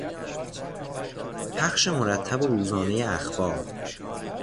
پخش مرتب و روزانهی اخبار